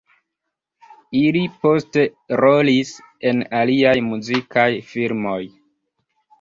Ili poste rolis en aliaj muzikaj filmoj.